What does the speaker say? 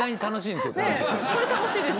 これ楽しいです。